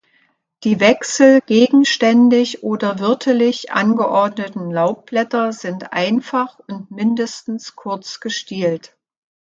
Die wechsel-, gegenständig oder wirtelig angeordneten Laubblätter sind einfach und mindestens kurz gestielt.